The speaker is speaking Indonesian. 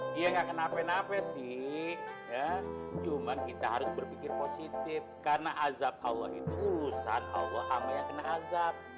dia gak kena nafes nafes sih cuma kita harus berpikir positif karena azab allah itu urusan allah amai yang kena azab